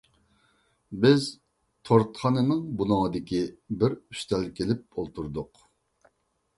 بىز تورتخانىنىڭ بۇلۇڭىدىكى بىر ئۈستەلگە كېلىپ ئولتۇردۇق.